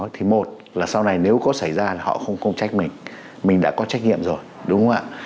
thì một là sau này nếu có xảy ra thì họ không công trách mình mình đã có trách nhiệm rồi đúng không ạ